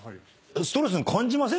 ストレスに感じません？